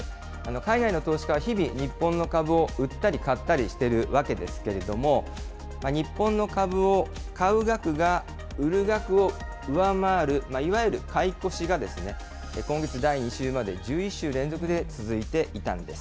海外の投資家は日々、日本の株を売ったり買ったりしているわけですけれども、日本の株を買う額が売る額を上回る、いわゆる買い越しが、今月第２週まで１１週連続で続いていたんです。